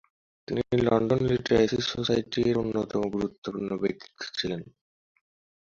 তিনি London literacy society এর অন্যতম গুরুত্বপূর্ণ ব্যক্তিত্ব ছিলেন।